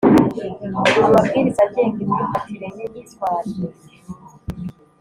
amabwiriza agenga Imyifatire n imyitwarire